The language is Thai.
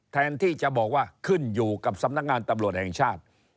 แทนที่จะบอกว่าขึ้นอยู่กับสำนักงานตำรวจแห่งชาติ